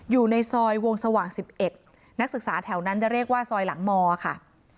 อยู่ในซอยวงสว่าง๑๑นักศึกษาแถวนั้นจะเรียกว่าซอยหลังมค่ะ